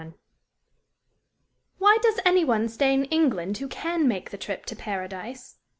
XXI "Why does any one stay in England who can make the trip to Paradise?"